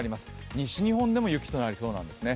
西日本でも雪となりそうなんですね。